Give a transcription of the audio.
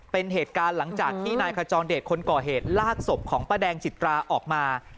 เป็นเหตุการณ์หลังจากที่นายขจรเดชคนก่อเหตุลากศพของป้าแดงจิตราออกมา